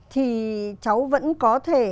thì cháu vẫn có thể